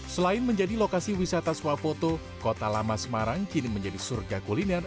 selain menjadi lokasi wisata swafoto kota lama semarang kini menjadi surga kuliner